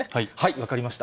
分かりました。